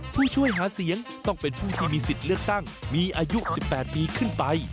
ผู้ช่วยหาเสียงต้องเป็นผู้ที่มีสิทธิ์เลือกตั้งมีอายุ๑๘ปีขึ้นไป